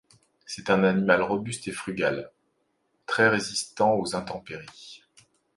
C'est un animal robuste et frugal, très résistant aux intempéries.